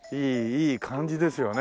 いい感じですよね。